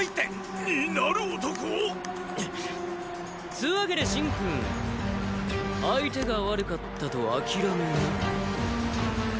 つーわけで信君相手が悪かったとあきらめな。